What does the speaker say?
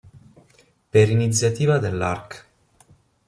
Per iniziativa dell'Arc.